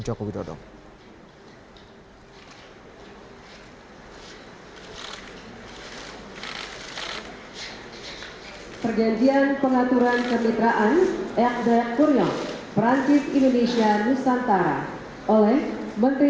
fokitotong pergantian pengaturan kemitraan fb kuryo prancis indonesia nusantara oleh menteri